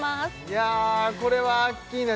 いやこれはアッキーナ